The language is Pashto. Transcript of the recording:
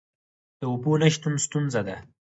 د اوبو نشتون ستونزه ده؟